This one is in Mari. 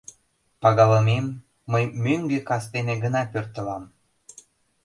— Пагалымем, мый мӧҥгӧ кастене гына пӧртылам.